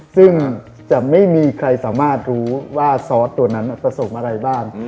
ซึ่งจะไม่มีใครสามารถรู้ว่าซอสตัวนั้นผสมอะไรบ้าง